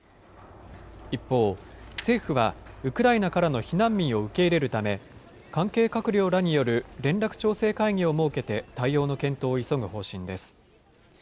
一方、政府はウクライナからの避難民を受け入れるため、関係閣僚らによる連絡調整会議を設けて、対応の検討を急ぐ方針です。